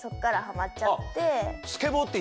スケボーって。